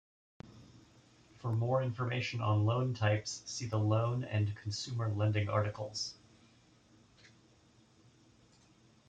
For more information on loan types, see the loan and consumer lending articles.